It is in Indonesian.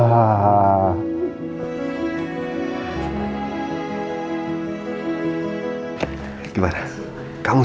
makasih om baik aku suka banget